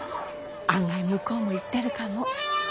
案外向こうも言ってるかも。